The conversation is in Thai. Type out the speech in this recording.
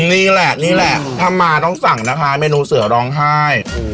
นี่แหละนี่แหละถ้ามาต้องสั่งนะคะเมนูเสือร้องไห้